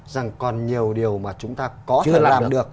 rằng còn nhiều điều mà chúng ta có thể làm được